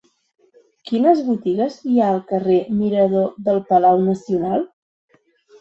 Quines botigues hi ha al carrer Mirador del Palau Nacional?